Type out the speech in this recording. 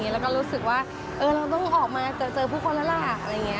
แล้วก็รู้สึกว่าเราต้องออกมาเจอผู้คนแล้วล่ะ